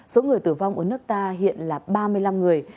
số người tử vong ở nước ta hiện là ba mươi năm người